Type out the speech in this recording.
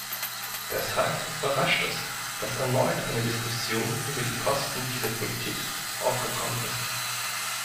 Deshalb überrascht es, dass erneut eine Diskussion über die Kosten dieser Politik aufgekommen ist.